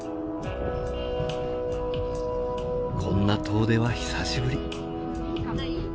こんな遠出は久しぶり。